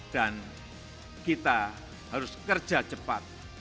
dan kita harus kerja cepat